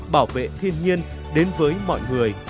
bảo vệ thiên nhiên đến với mọi người